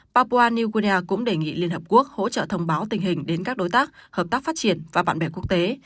papua new guinea cũng đề nghị liên hợp quốc hỗ trợ thông báo tình hình đến các đối tác hợp tác phát triển và bạn bè quốc tế